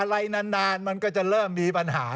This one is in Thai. อะไรนานมันก็จะเริ่มมีปัญหา